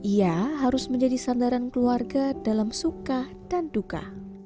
ia harus menjadi sandaran keluarga dalam suka dan duka